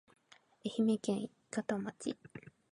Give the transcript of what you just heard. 愛媛県伊方町